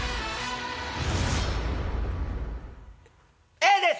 Ａです！